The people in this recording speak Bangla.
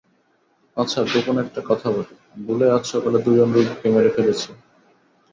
আচ্ছা, গোপনে একটা কথা বলি, ভুলে আজ সকালে দুজন রোগীকে মেরে ফেলেছি।